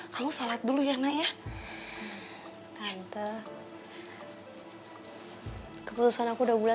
kamu selesai dulu